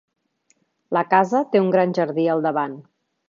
La casa té un gran jardí al davant.